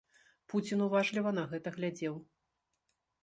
Пуцін уважліва на гэта глядзеў.